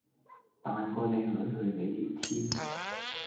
彈個靚女去你條 Team